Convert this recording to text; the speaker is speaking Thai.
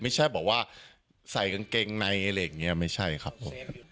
ไม่ใช่บอกว่าใส่กางเกงในอะไรอย่างนี้ไม่ใช่ครับผม